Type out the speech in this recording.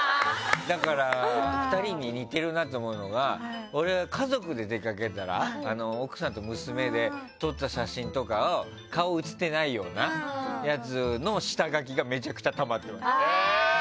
２人に似てるなと思うのが俺が家族で出かけたら奥さんと娘で撮った写真とかを顔が写ってないようなやつの下書きがめちゃくちゃたまってます。